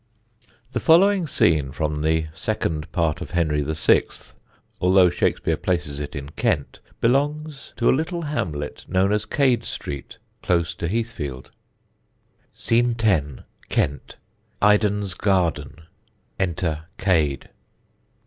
[Sidenote: JACK CADE] The following scene from The Second Part of Henry VI. although Shakespeare places it in Kent, belongs to a little hamlet known as Cade Street, close to Heathfield: Scene X. Kent. IDEN'S Garden. Enter CADE.